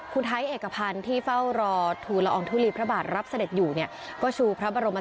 คุณฮายเอกพันที่เฝ้ารอธุราองทุลียรวรรดิสมได้รับเสด็จอยู่ค่ะ